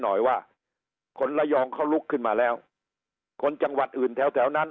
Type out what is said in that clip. หน่อยว่าคนระยองเขาลุกขึ้นมาแล้วคนจังหวัดอื่นแถวแถวนั้น